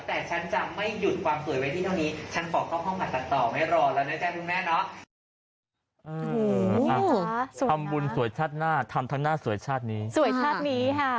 แต่ฉันจะไม่หยุดความสวยไว้ที่เถอะนี้